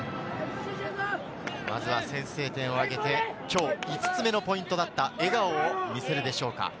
まずは先制点を挙げて今日５つ目のポイントだった笑顔を見せるでしょうか。